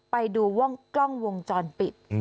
ไปดูว่ากล้องวงจอดปิด